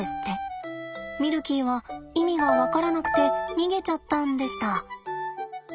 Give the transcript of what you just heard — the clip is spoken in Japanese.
ミルキーは意味が分からなくて逃げちゃったんでした。